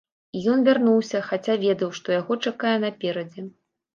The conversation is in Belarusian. І ён вярнуўся, хаця ведаў, што яго чакае наперадзе.